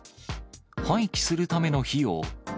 廃棄するための費用